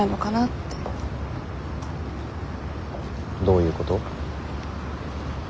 どういうこと？